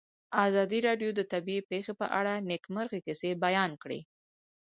ازادي راډیو د طبیعي پېښې په اړه د نېکمرغۍ کیسې بیان کړې.